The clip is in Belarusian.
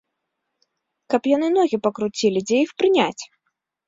Каб яны ногі пакруцілі, дзе іх прыняць?